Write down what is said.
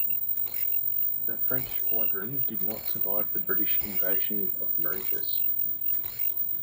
The French squadron did not survive the British invasion of Mauritius.